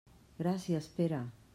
Gràcies, Pere.